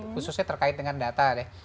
khususnya terkait dengan data deh